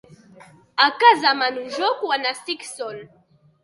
A casa mano jo quan estic sol.